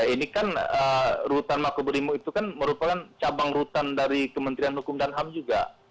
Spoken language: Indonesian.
ini kan rutan makobrimo itu kan merupakan cabang rutan dari kementerian hukum dan ham juga